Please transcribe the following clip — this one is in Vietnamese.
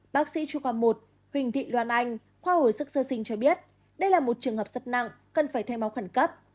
bác sĩ chu quang một huỳnh thị loan anh khoa hồi sức sơ sinh cho biết đây là một trường hợp rất nặng cần phải thay máu khẩn cấp